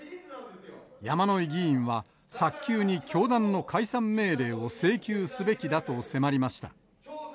山井議員は、早急に教団の解散命令を請求すべきだと迫りました。